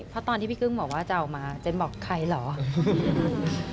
เพราะตอนที่พี่กึ้งบอกว่าจะออกมาเจนบอกใครเหรอ